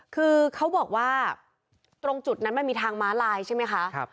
คือเขาบอกว่าตรงจุดนั้นมันมีทางม้าลายใช่ไหมคะ